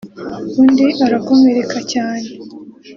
undi arakomereka cyane